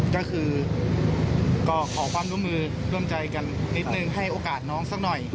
ก็คือก็ขอความร่วมมือร่วมใจกันนิดนึงให้โอกาสน้องสักหน่อย